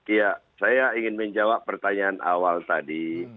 iya saya ingin menjawab pertanyaan awal tadi